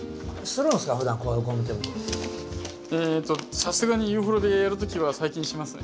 さすがにユーフォルビアやる時は最近しますね。